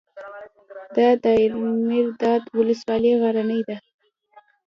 د دایمیرداد ولسوالۍ غرنۍ ده